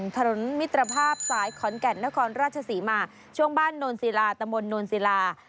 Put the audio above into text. ถนนมิตรภาพซ้ายขอนแก่นและคอนราชศรีมาช่วงบ้านโนรสีลาตมนต์โนรสีลา